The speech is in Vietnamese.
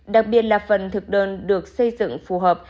đặc biệt là phần thực đơn được xây dựng phù hợp